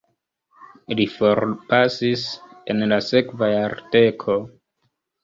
Li forpasis en la sekva jardeko.